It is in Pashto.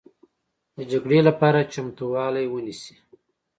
د جګړې لپاره چمتوالی ونیسئ